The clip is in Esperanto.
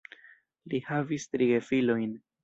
Li havis tri gefilojn.